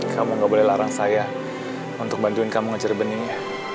kamu gak boleh larang saya untuk bantuin kamu ngejar benihnya